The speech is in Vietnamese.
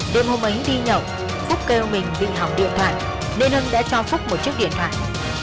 đêm hôm ấy đi nhậu phúc kêu mình vinh học điện thoại nên hưng đã cho phúc một chiếc điện thoại